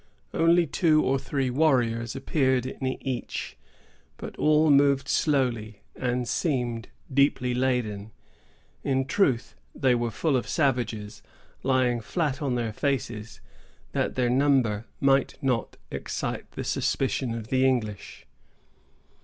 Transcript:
Only two or three warriors appeared in each, but all moved slowly, and seemed deeply laden. In truth, they were full of savages, lying flat on their faces, that their numbers might not excite the suspicion of the English.